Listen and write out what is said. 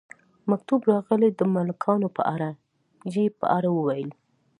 مکتوب راغلی د ملکانو په اړه، یې په اړه وویل.